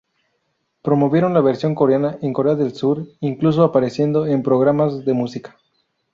Promovieron la versión coreana en Corea del Sur, incluso apareciendo en programas de música.